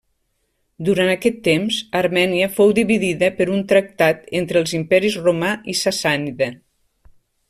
Durant aquest temps, Armènia fou dividida per un tractat entre els imperis romà i sassànida.